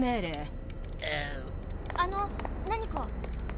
あの何か？